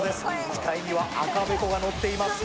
額には赤べこがのっています